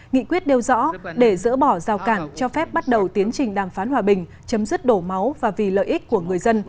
nghị quyết đều rõ để dỡ bỏ giao cản cho phép bắt đầu tiến trình đàm phán hòa bình chấm dứt đổ máu và vì lợi ích của người dân